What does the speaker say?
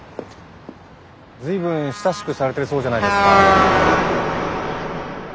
随分親しくされてるそうじゃないですか。